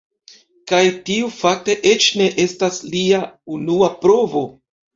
Kaj tiu fakte eĉ ne estas lia unua provo.